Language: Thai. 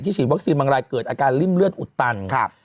ฉีดวัคซีนบางรายเกิดอาการริ่มเลือดอุดตัน